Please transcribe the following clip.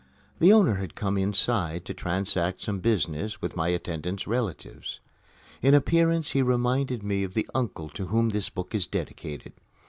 The owner had come inside to transact some business with my attendant's relatives. In appearance he reminded me of the uncle to whom this book is dedicated.